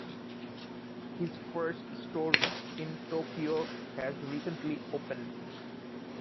His first store in Tokyo has recently opened.